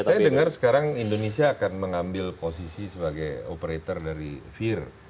saya dengar sekarang indonesia akan mengambil posisi sebagai operator dari fear